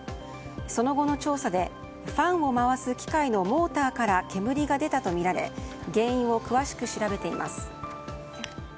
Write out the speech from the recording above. その後の調査でファンを回す機械のモーターから煙が出たとみられ原因を詳しく調べています。